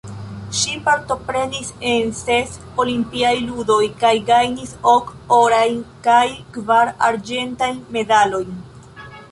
Ŝi partoprenis en ses Olimpiaj Ludoj kaj gajnis ok orajn kaj kvar arĝentajn medalojn.